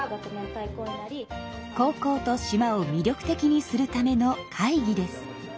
高校と島を魅力的にするための会議です。